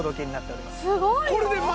すごいよ。